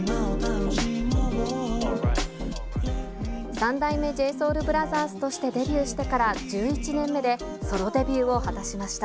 三代目ＪＳＯＵＬＢＲＯＴＨＥＲＳとしてデビューしてから１１年目で、ソロデビューを果たしました。